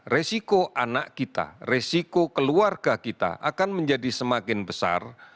resiko anak kita resiko keluarga kita akan menjadi semakin besar